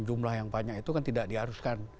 jumlah yang banyak itu kan tidak diharuskan